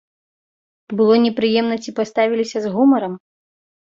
Было непрыемна ці паставіліся з гумарам?